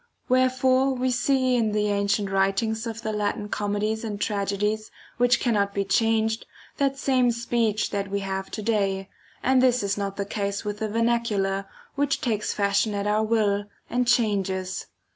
Where fore we see in the ancient writings of the Latin comedies and tragedies, which cannot be changed, that same speech that we have to day ; and this is not the case with the vernacular, which takes fashion at our will, and changes.